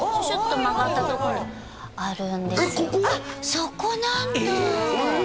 そこなんだえっ